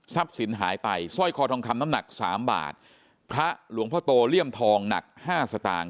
สินหายไปสร้อยคอทองคำน้ำหนักสามบาทพระหลวงพ่อโตเลี่ยมทองหนักห้าสตางค์